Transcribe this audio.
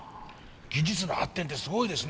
技術の発展ってすごいですね。